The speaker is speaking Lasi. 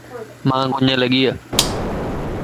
مانک اڃ لڳي